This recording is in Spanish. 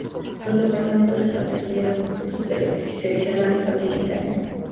Los departamentos restantes tuvieron sus seccionales al siguiente año.